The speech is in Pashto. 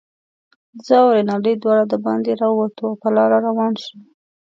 زه او رینالډي دواړه دباندې راووتو، او په لاره روان شوو.